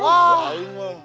wah ini mah